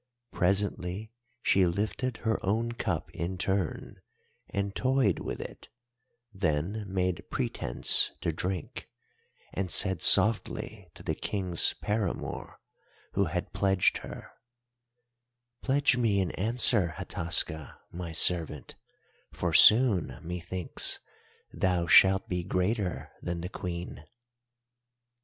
"Presently she lifted her own cup in turn and toyed with it, then made pretence to drink, and said softly to the King's paramour, who had pledged her: "'Pledge me in answer, Hataska, my servant, for soon, methinks, thou shalt be greater than the Queen.